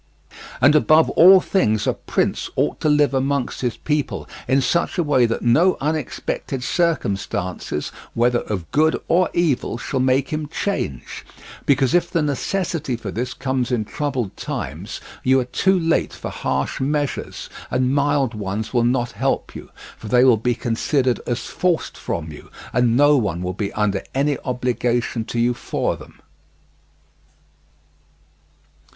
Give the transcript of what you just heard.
And above all things, a prince ought to live amongst his people in such a way that no unexpected circumstances, whether of good or evil, shall make him change; because if the necessity for this comes in troubled times, you are too late for harsh measures; and mild ones will not help you, for they will be considered as forced from you, and no one will be under any obligation to you for them.